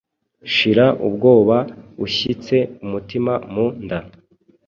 shira ubwoba ushyitse umutima mu nda.